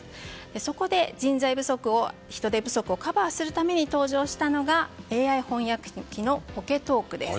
そこで人手不足をカバーするために登場したのが、ＡＩ翻訳機のポケトークです。